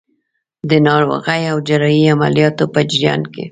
د ناروغۍ او جراحي عملیاتو په جریان کې.